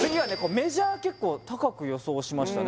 メジャー結構高く予想しましたね